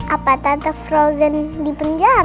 apatah the frozen dipenjara